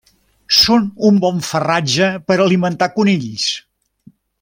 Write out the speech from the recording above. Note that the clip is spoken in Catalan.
Són un bon farratge per alimentar conills.